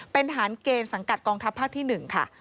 เป็นฐานเกณฑ์สังกัดกองทัพภาคที่๑ค่ะ